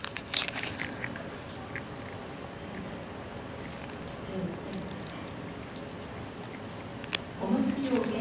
食べて精をつけてください。